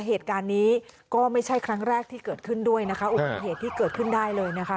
เหตุการณ์นี้ก็ไม่ใช่ครั้งแรกที่เกิดขึ้นด้วยนะคะอุบัติเหตุที่เกิดขึ้นได้เลยนะคะ